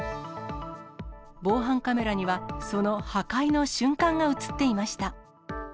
防犯カメラには、その破壊の瞬間が写っていました。